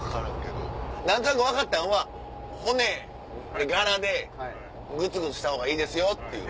何となく分かったんは骨がらでグツグツしたほうがいいですよっていう。